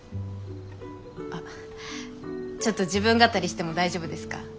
あっちょっと自分語りしても大丈夫ですか？